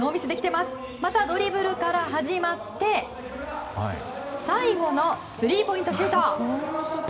またドリブルから始まって最後のスリーポイントシュート。